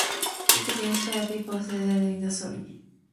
It can inspire people of any age, as shown in the story.